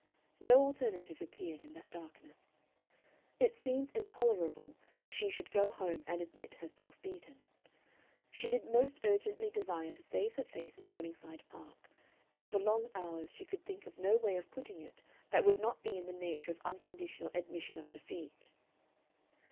No alternative appeared in that darkness. It seemed intolerable that she should go home and admit herself beaten. She did most urgently desire to save her face in Morningside Park, and for long hours she could think of no way of putting it that would not be in the nature of unconditional admission of defeat.